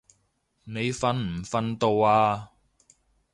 你瞓唔瞓到啊？